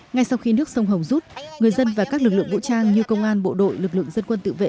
ngay sau khi nước sông hồng rút người dân và các lực lượng vũ trang như công an bộ đội lực lượng dân quân tự vệ